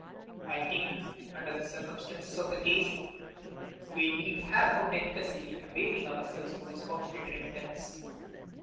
I think, under the circumstances of the case, we need have no delicacy in availing ourselves of this fortunate remittance.